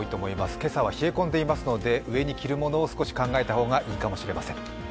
今朝は冷え込んでいますので、上に着るものを少し考えた方がいいかもしれません。